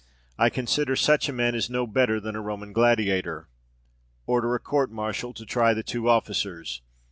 I consider such a man as no better than a Roman gladiator. "Order a court martial to try the two officers.